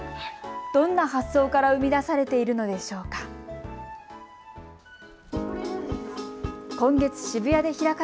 どんな発想から生み出されているのでしょうか。